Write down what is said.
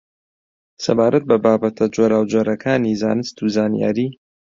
سەبارەت بە بابەتە جۆراوجۆرەکانی زانست و زانیاری